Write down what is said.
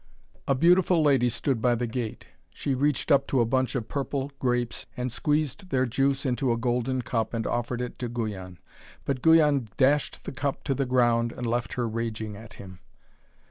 A beautiful lady stood by the gate. She reached up to a bunch of purple grapes, and squeezed their juice into a golden cup and offered it to Guyon. But Guyon dashed the cup to the ground, and left her raging at him.